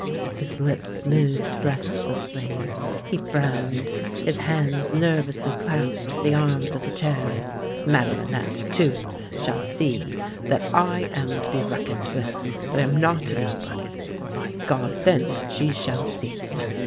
" His lips moved restlessly; he frowned; his hands nervously clasped the arms of the chair. " Madelinette, too, shall see that I 6 THE LANE THAT HAD NO TURNING am to be reckoned with, that I am not a nobody. By God, then, but she shall see it!